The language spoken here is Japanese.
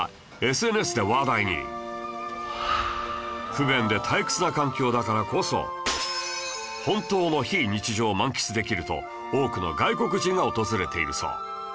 不便で退屈な環境だからこそ本当の非日常を満喫できると多くの外国人が訪れているそう